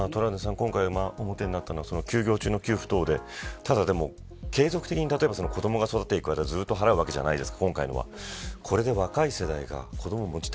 今回、表になったのは休業中の給付のことで、継続的に子どもが育っていく間、ずっと払っていくわけじゃないですか。